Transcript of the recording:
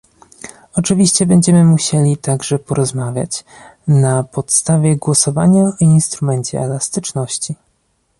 Oczywiście będziemy musieli także porozmawiać na podstawie głosowania o instrumencie elastyczności